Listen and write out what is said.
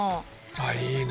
ああいいね！